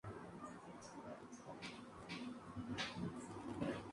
La fabricación de quesos, pan y tejidos.